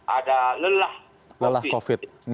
ada lelah covid